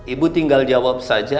ibu tinggal jawab saja